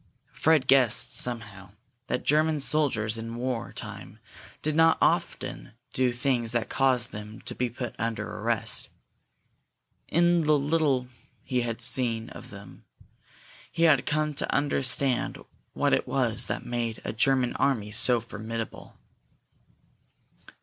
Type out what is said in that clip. Fred guessed, somehow, that German soldiers in war time did not often do things that caused them to be put under arrest. In the little he had seen of them he had come to understand what it was that made a German army so formidable.